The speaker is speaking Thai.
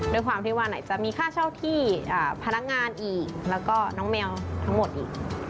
ด้วยความที่ว่าไหนจะมีค่าเช่าที่พนักงานอีกแล้วก็น้องแมวทั้งหมดอีก